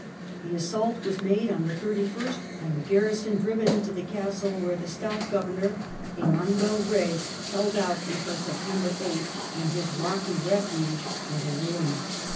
The assault was made on the 31st and the garrison driven into the castle, where the stout governor, Emmanuel Rey, held out until September 8th, when his rocky refuge was a ruin.